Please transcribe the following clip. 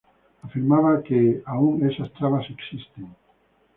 Afirmaba que ""Aún esas trabas existen.